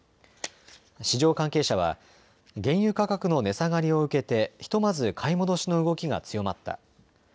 市場関係者は原油価格の値下がりを受けてひとまず買い戻しの動きが強まった。